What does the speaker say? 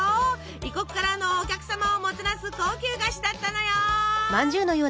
異国からのお客様をもてなす高級菓子だったのよ。